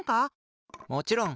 もちろん！